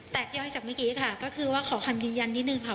แต่ย่อยจากเมื่อกี้ค่ะก็คือว่าขอคำยืนยันนิดนึงค่ะ